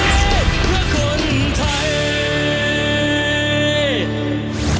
เราจะเชียร์บอลไทย